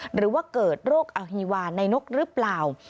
หรือว่าเกิดโรคอฮีวาในนกหรือเปล่า